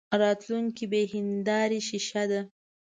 راتلونکې بې هیندارې شیشه ده.